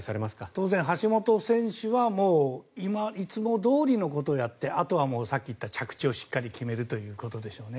当然、橋本選手はいつもどおりのことをやってあとはさっき言った着地をしっかり決めるということでしょうね。